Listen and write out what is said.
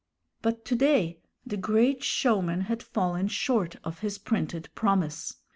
But to day the great showman had fallen short of his printed promise.